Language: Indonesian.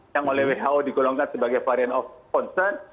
yang oleh who digolongkan sebagai varian of concern